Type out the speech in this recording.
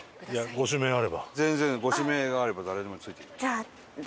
全然ご指名があれば誰でもついていきますよ。